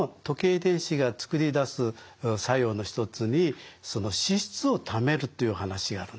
遺伝子が作り出す作用の一つにその脂質を貯めるという話があるんですね。